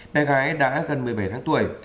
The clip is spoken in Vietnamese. bé gái đã gần một mươi bảy tháng tuổi